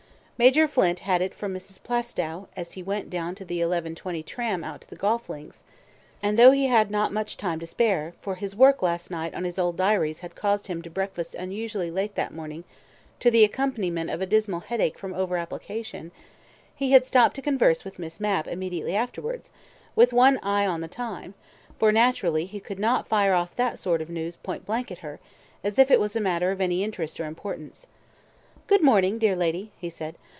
Major Flint had it from Mrs. Plaistow, as he went down to the eleven twenty tram out to the golf links, and though he had not much time to spare (for his work last night on his old diaries had caused him to breakfast unusually late that morning to the accompaniment of a dismal headache from over application), he had stopped to converse with Miss Mapp immediately afterwards, with one eye on the time, for naturally he could not fire off that sort of news point blank at her, as if it was a matter of any interest or importance. "Good morning, dear lady," he said.